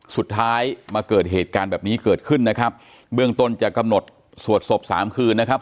สุดท้ายมาเกิดเหตุการณ์แบบนี้เกิดขึ้นนะครับเบื้องต้นจะกำหนดสวดศพสามคืนนะครับ